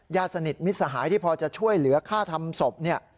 ยาสนิทมิตรสหายที่พอจะช่วยเหลือค่าทำศพ